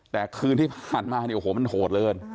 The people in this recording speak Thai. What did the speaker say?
แต่คืนที่ผ่านมาเนี่ยโอ้โหมันโหดเลย